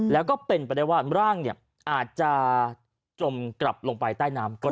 แล้วก็เป็นไปได้ว่าร่างอาจจะจมกลับลงไปใต้น้ำก็ได้